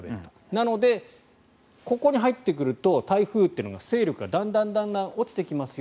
なので、ここに入ってくると台風は勢力がだんだん落ちてきますよ